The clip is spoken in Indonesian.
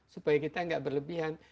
supaya kita tidak berlebihan